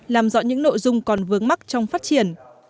làm rõ những nội dung còn vướng mắt trong phát triển